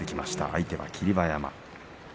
相手は霧馬山です。